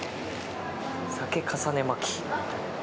鮭重ね巻き。